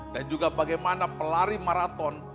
dan juga bagaimana pelari maraton